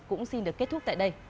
cũng xin được kết thúc tại đây